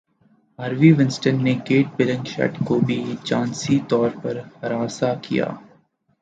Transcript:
Harvey Weinstein نے Cate Blanchett کو بھی جنسی طور پر ہراساں کیا